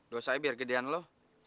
dosanya biar gedean lo